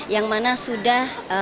yang mana sudah